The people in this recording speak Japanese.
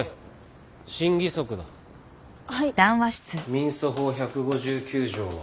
民訴法１５９条は？